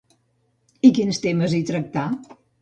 I quins temes hi tractà?